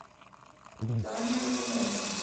Daniel Romero